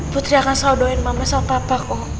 putri akan selalu doain mama selalu papaku